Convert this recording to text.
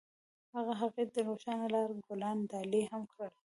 هغه هغې ته د روښانه لاره ګلان ډالۍ هم کړل.